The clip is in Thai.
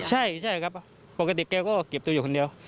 ใช่ครับปกติแกก็เก็บตัวอยู่คนเดียว